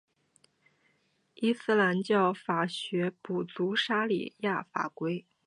伊斯兰教法学补足沙里亚法规。